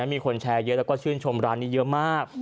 มีคนแชร์เยอะแล้วก็ชื่นชมร้านนี้เยอะมาก